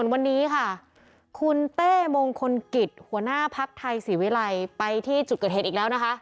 วันนี้ค่ะคุณเต้มงคลกิจหัวหน้าภักดิ์ไทยศรีวิรัยไปที่จุดเกิดเหตุอีกแล้วนะคะ